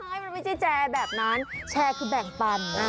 ให้มันไม่ใช่แชร์แบบนั้นแชร์คือแบ่งปัน